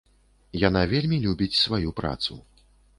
Яна вельмі любіць сваю працу.